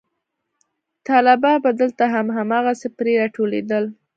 طلبا به دلته هم هماغسې پرې راټولېدل.